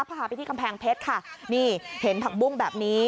พาไปที่กำแพงเพชรค่ะนี่เห็นผักบุ้งแบบนี้